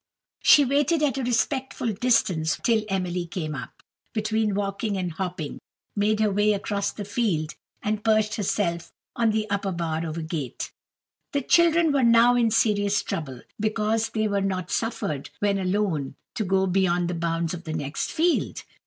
She waited at a respectful distance till Emily came up; and then, between walking and hopping, made her way across the field, and perched herself on the upper bar of a gate. The children were now in serious trouble, because they were not suffered, when alone, to go beyond the bounds of the next field.